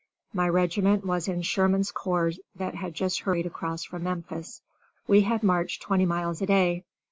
My regiment was in Sherman's corps that had just hurried across from Memphis. We had marched twenty miles a day.